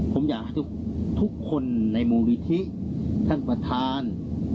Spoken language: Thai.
ผมอยากให้ทุกคนในมูลนิธิท่านประธาน